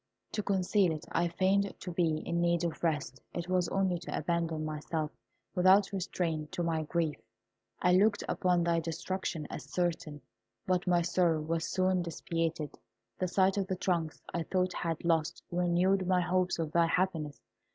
To conceal it, I feigned to be in need of rest, it was only to abandon myself without restraint to my grief. I looked upon thy destruction as certain, but my sorrow was soon dissipated. The sight of the trunks I thought I had lost renewed my hopes of thy happiness.